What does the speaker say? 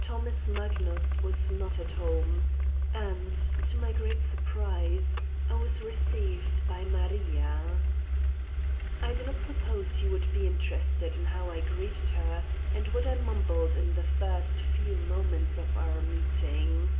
Thomas Magnus was not at home and, to my great surprise, I was received by Maria, I do not suppose you would be interested in how I greeted her and what I mumbled in the first few moments of our meeting.